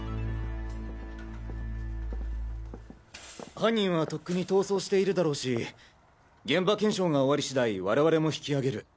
犯人はとっくに逃走しているだろうし現場検証が終わり次第我々も引き上げる。